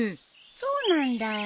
そうなんだよ。